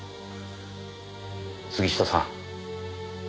杉下さん。